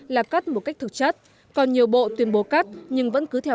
làm cắt một cách thực chất còn nhiều bộ tuyên bố cắt nhưng vẫn cứ thiếu